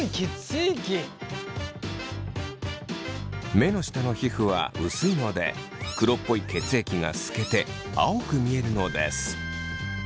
目の下の皮膚は薄いので黒っぽい血液が透けて青く見えるのです。